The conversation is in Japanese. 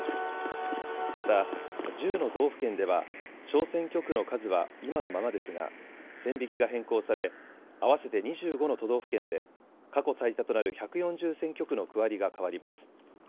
また１０の道府県では小選挙区の数は今のままですが線引きが変更され合わせて２５の都道府県で過去最多となる１４０選挙区の区割りが変わります。